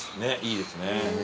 いいですね。